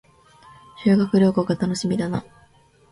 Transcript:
修学旅行が楽しみだな